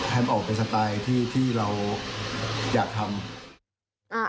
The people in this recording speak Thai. ให้มันออกเป็นสไตล์ที่เราอยากทำ